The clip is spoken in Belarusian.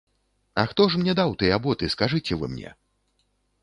А хто ж мне даў тыя боты, скажыце вы мне?